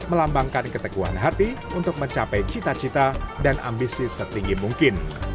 melambangkan keteguhan hati untuk mencapai cita cita dan ambisi setinggi mungkin